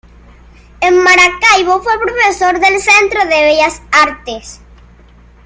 En Maracaibo fue profesor del Centro de Bellas Artes.